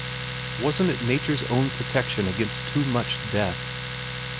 Wasn't it nature's own pro tection against too much death